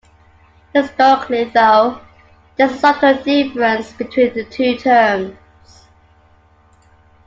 Historically, though, there is a subtle difference between the two terms.